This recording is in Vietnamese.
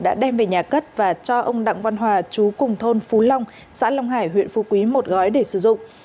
đã đem về nhà cất và cho ông đặng văn hòa chú cùng thôn phú long xã long hải huyện phu quý một gói để sử dụng